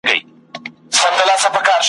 د نسیم قاصد لیدلي مرغکۍ دي په سېلونو `